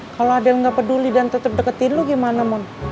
kalau adel gak peduli dan tetep deketin lo gimana mon